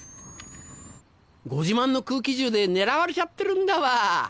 ご自慢の空気銃で狙われちゃってるんだわ。